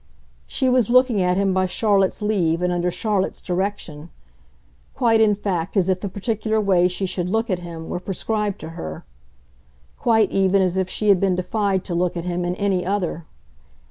She was looking at him by Charlotte's leave and under Charlotte's direction; quite in fact as if the particular way she should look at him were prescribed to her; quite, even, as if she had been defied to look at him in any other.